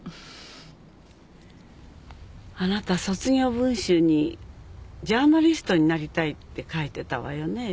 あなた卒業文集にジャーナリストになりたいって書いてたわよね？